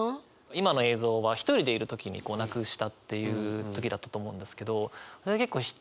今の映像は１人でいる時になくしたっていう時だったと思うんですけど私は結構たくさんの人といる時に。